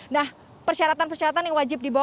nah persyaratan persyaratan yang wajib dibawa